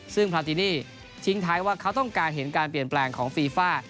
ซึ่งพราตินี่ทิ้งท้ายว่าเขาต้องการเห็นการเปลี่ยนแปลงของฟีฟ่า